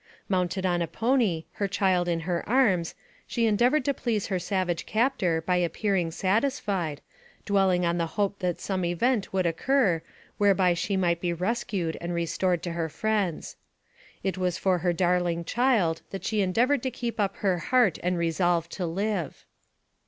Mounted on a pony, her child in her arms, she en deavored to please her savage captor by appearing satisfied, dwelling on the hope that some event would occur, whereby she might be rescued and restored to her friends. It was for her darling child that she endeavored to keep up her heart and resolve to live.